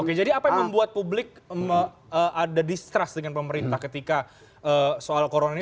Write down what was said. oke jadi apa yang membuat publik ada distrust dengan pemerintah ketika soal corona ini